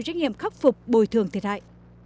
trách nhiệm khắc phục bồi thường thời đại